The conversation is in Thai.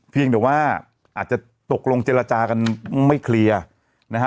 เพียงแต่ว่าอาจจะตกลงเจรจากันไม่เคลียร์นะฮะ